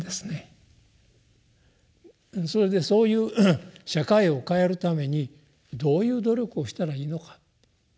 それでそういう社会を変えるためにどういう努力をしたらいいのか。